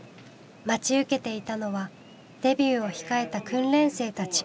待ち受けていたのはデビューを控えた訓練生たち。